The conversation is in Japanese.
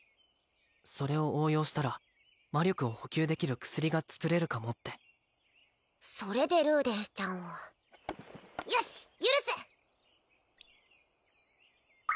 それを応用したら魔力を補給できる薬が作れるかもってそれでルーデンスちゃんをよし許す！